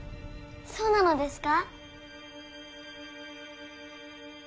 そうなのですか？